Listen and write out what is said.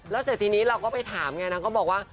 แล้วเราถินี้ก็ไปถามไงนะ